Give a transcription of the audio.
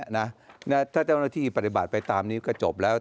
ถ้าเจ้าหน้าที่ปฏิบัติไปตามนิ้วก็จบแล้ว